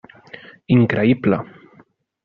Increïble.